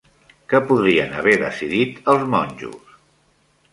Què podrien haver decidit els monjos?